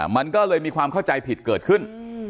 มันก็เลยมีความเข้าใจผิดเกิดขึ้น